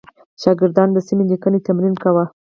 شاګردانو د سمې لیکنې تمرین کاوه.